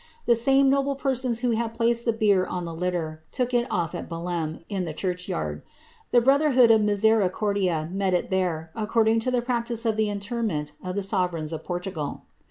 The same noble persons who le bier on the litter, took it off at Belem, in the churchyard, lood of Misericordia met it there, according to the practice (lent of the sovereigns of Portugal.'